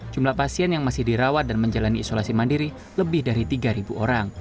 jumlah pasien yang masih dirawat dan menjalani isolasi mandiri lebih dari tiga orang